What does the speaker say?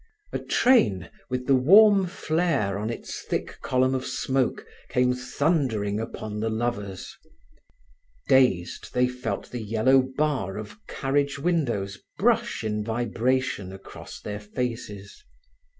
A train with the warm flare on its thick column of smoke came thundering upon the lovers. Dazed, they felt the yellow bar of carriage windows brush in vibration across their faces.